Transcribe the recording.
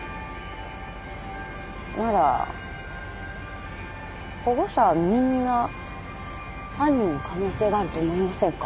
なら保護者はみんな犯人の可能性があると思いませんか？